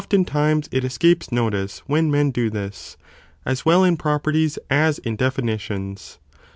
times it escapes notice when men do this, as well in properties as in definitions.